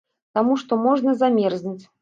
Таму што можна замерзнуць.